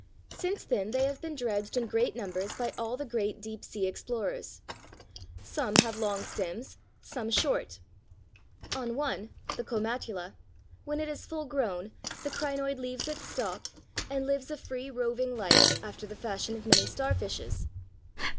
Since then they have been dredged in great numbers by all the great deep sea explorers. Some have long stems, some short. On one, the Comatula, when it is full grown, the crinoid leaves its stalk, and lives a free, roving life after the fashion of many starfishes.